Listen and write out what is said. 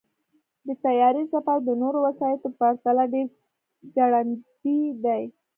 د طیارې سفر د نورو وسایطو پرتله ډېر ګړندی دی.